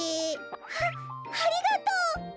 あありがとう！